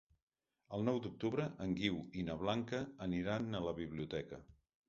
El nou d'octubre en Guiu i na Blanca aniran a la biblioteca.